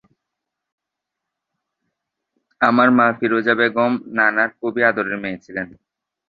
আমার মা ফিরোজা বেগম নানার খুবই আদরের মেয়ে ছিলেন।